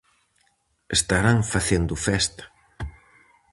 Estarán facendo festa.